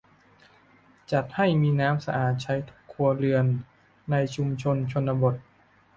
จัดให้มีน้ำสะอาดใช้ทุกครัวเรือนในชุมชนชนบท